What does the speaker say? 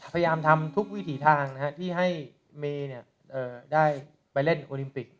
พยายามทำทุกวิถีทางที่ให้เมย์ได้ไปเล่นโอลิมปิก